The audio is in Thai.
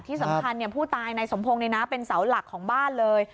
ที่สำคัญผู้ตายนายสมพงศ์เป็นเสาหลักของบ้านเลย